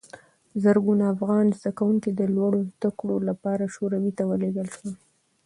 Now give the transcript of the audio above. زرګونه افغان زدکوونکي د لوړو زده کړو لپاره شوروي ته ولېږل شول.